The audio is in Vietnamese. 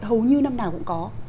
hầu như năm nào cũng có